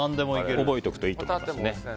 覚えておくといいと思います。